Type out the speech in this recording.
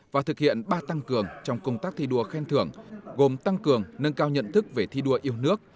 và thực hiện ba tăng cường trong công tác thi đua khen thưởng gồm tăng cường nâng cao nhận thức về thi đua yêu nước